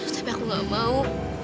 tapi aku gak mau